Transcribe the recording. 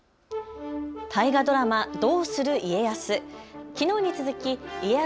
大河ドラマ、どうする家康。